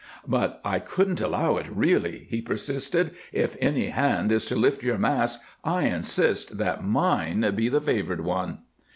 "But I couldn't allow it, really," he persisted. "If any hand is to lift your mask, I insist that mine be the favored one."